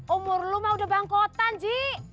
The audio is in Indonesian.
umur lo mah udah bangkotan ji